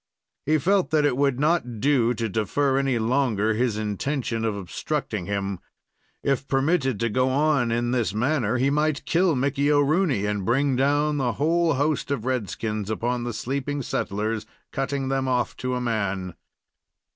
He felt that it would not do to defer any longer his intention of obstructing him. If permitted to go on in this manner, he might kill Mickey O'Rooney, and bring down a whole host of red skins upon the sleeping settlers, cutting them off to a man.